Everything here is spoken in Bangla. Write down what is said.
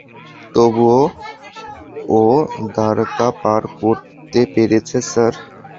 তবুও, ও দ্বারকা পার করতে পেরেছে, স্যার!